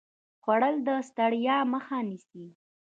خوړل د ستړیا مخه نیسي